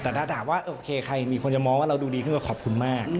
แต่ถ้าถามว่าโอเคใครมีคนจะมองว่าเราดูดีขึ้นมาขอบคุณมาก